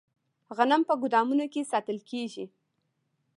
غنم په ګدامونو کې ساتل کیږي.